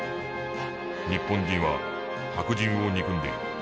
日本人は白人を憎んでいる。